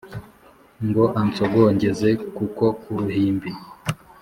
Ngo ansogongeze ku ko ku ruhimbi,